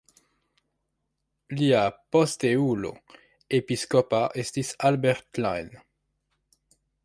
Lia posteulo episkopa estis Albert Klein.